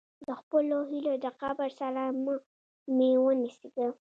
د خپلو هیلو د قبر سره مې ونڅیږم.